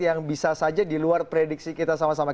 yang bisa saja di luar prediksi kita sama sama